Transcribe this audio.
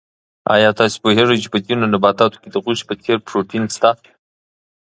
آیا تاسو پوهېږئ چې په ځینو نباتاتو کې د غوښې په څېر پروټین شته؟